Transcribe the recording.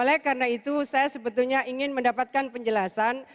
oleh karena itu saya sebetulnya ingin mendapatkan penjelasan